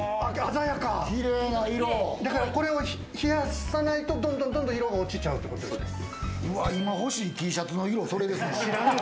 これを冷やさないと、どんどん色が落ちちゃうってことですね。